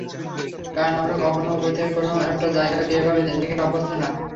কারণ আমরা কখনো ওপর থেকে কোনো একটা জায়গাকে এভাবে দেখে অভ্যস্ত না।